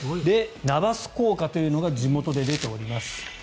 ナバス効果というのが地元で出ております。